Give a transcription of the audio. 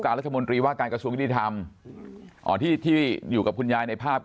เข้าไปช่วยดูแลเรื่องน้ำรั้วให้คุณยายนะครับ